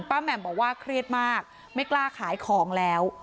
แหม่มบอกว่าเครียดมากไม่กล้าขายของแล้ว